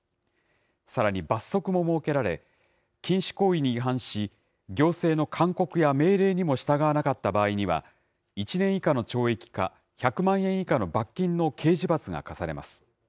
さらに罰則も設けられ、禁止行為に違反し、行政の勧告や命令にも従わなかった場合には、１年以下の懲役か、１００万円以下の罰金の刑事罰が科されます。